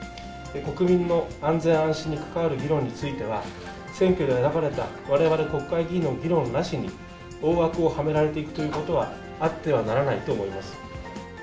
国民の安全安心に関わる議論については、選挙で選ばれたわれわれ国会議員の議論なしに、大枠をはめられていくということは、あってはならないと思います。